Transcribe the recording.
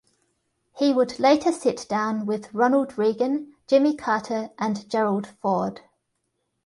He would later sit down with Ronald Reagan, Jimmy Carter, and Gerald Ford.